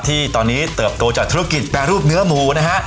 ที่ตอนนี้เติบโตจากธุรกิจแปรรูปเนื้อหมูนะฮะ